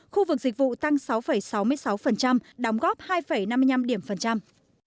khu vực dịch vụ tăng sáu sáu mươi sáu đóng góp hai năm mươi năm điểm phần trăm